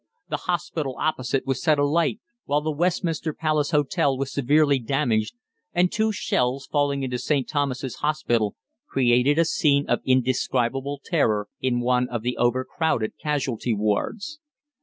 The hospital opposite was set alight, while the Westminster Palace Hotel was severely damaged, and two shells falling into St. Thomas's Hospital created a scene of indescribable terror in one of the overcrowded casualty wards.